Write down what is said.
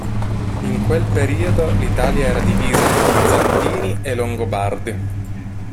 In quel periodo l'Italia era divisa tra bizantini e longobardi.